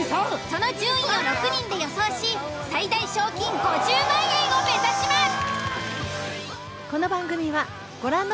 その順位を６人で予想し最大賞金５０万円を目指します。